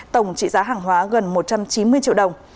tổng trị giá hàng hóa gần một trăm chín mươi triệu đồng